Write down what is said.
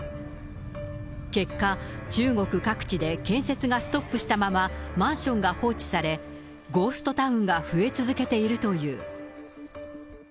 結果、中国各地で建設がストップしたまま、マンションが放置され、ゴーストタウンが増え続けているという。